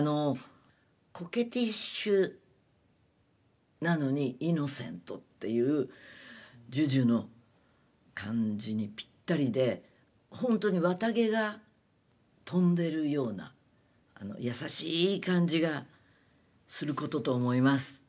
コケティッシュなのにイノセントっていうＪＵＪＵの感じにぴったりでほんとに綿毛が飛んでるような優しい感じがすることと思います。